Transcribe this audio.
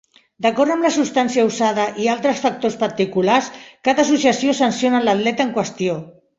D'acord amb la substància usada i altres factors particulars, cada associació sanciona l'atleta en qüestió.